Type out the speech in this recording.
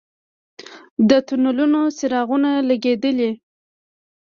د تونلونو څراغونه لګیدلي؟